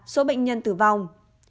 ba số bệnh nhân tử vong